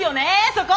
そこ。